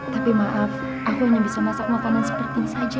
tapi maaf aku hanya bisa masak makanan seperti ini saja